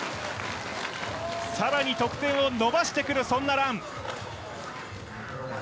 更に得点を伸ばしてくる、そんなラン。